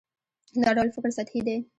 دا ډول فکر سطحي دی.